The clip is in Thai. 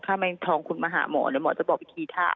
ถ้าไม่ทองคุณมาหาหมอหมอจะบอกวิธีท่า